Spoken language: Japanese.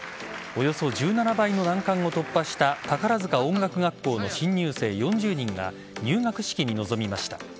およそ１７倍の難関を突破した宝塚音楽学校の新入生４０人が入学式に臨みました。